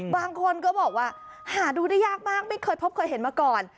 บางคนก็บอกว่าหาดูได้ยากมากไม่เคยพบเคยเห็นมาก่อน